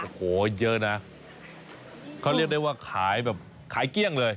โอ้โหเยอะนะเขาเรียกได้ว่าขายแบบขายเกลี้ยงเลย